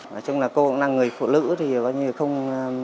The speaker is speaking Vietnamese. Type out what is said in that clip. nói chung là cô cũng là người phụ nữ thì có như không